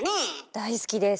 大好きです。